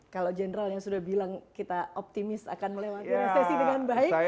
kalau general yang sudah bilang kita optimis akan melewati resesi dengan baik